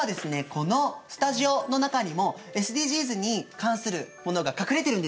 このスタジオの中にもＳＤＧｓに関するものが隠れてるんですよ。